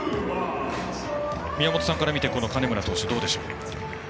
宮本さんから見て金村投手はどうでしょう。